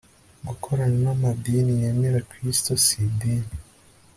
Gukorana n amadini yemera Kristo Si idini